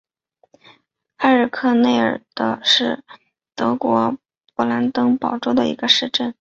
埃尔克内尔是德国勃兰登堡州的一个市镇。